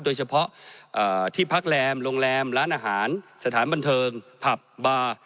โดยเฉพาะที่พักแรมโรงแรมร้านอาหารสถานบันเทิงผับบาร์